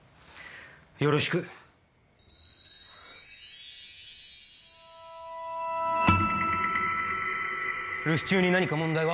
よろしく。留守中に何か問題は？